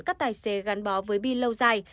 các tài xế gắn bó với bi lâu dài